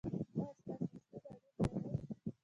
ایا ستاسو شتون اړین نه دی؟